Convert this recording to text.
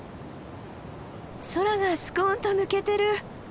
空がスコンと抜けてる。